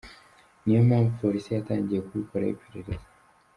Niyo mpamvu polisi yatangiye kubikoraho iperereza.